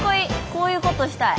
こういうことしたい！